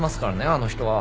あの人は。